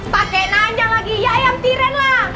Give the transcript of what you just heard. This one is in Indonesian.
pak kena aja lagi ya ayam tiran lah